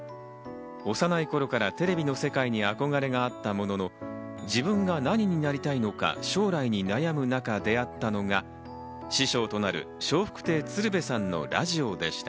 幼い頃からテレビの世界に憧れがあったものの、自分が何になりたいのか、将来に悩む中、出会ったのが師匠となる笑福亭鶴瓶さんのラジオでした。